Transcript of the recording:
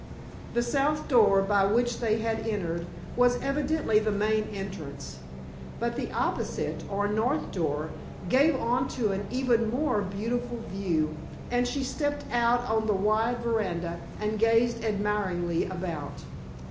The south door, by which they had entered, was evidently the main entrance, but the opposite, or north door, gave on to an even more beautiful view, and she stepped out on the wide veranda and gazed admiringly about.